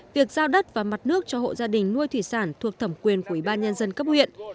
việc giao đất và mặt nước cho hộ gia đình nuôi thủy sản thuộc thẩm quyền của ủy ban nhân dân cấp huyện